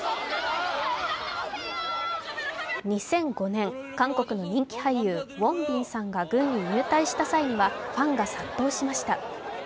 ２００５年、韓国の人気俳優、ウォンビンさんが軍に入隊した際にはファンが殺到しました。